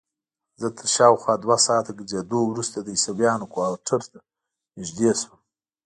زه تر شاوخوا دوه ساعته ګرځېدو وروسته د عیسویانو کوارټر ته نږدې شوم.